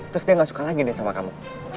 terus dia gak suka lagi deh sama kamu